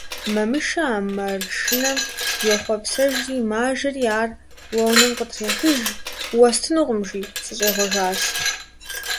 Мамышэ а маршынэм йохъуэпсэжри мажэри ар Лонэм къытрехыж: «Уэстынукъым, – жи, – сыщӀегъуэжащ».